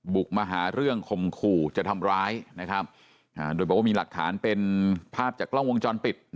บุกมาหาเรื่องคมขู่จะทำร้ายโดยบอกว่ามีหลักฐานเป็นภาพจากกล้องวงจรปิด